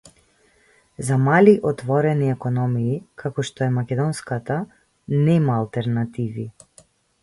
За мали отворени економии како што е македонската, нема алтернативи